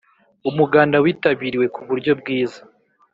Umuganda witabiriwe ku buryo bwiza